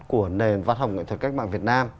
của nền văn học nghệ thuật cách mạng việt nam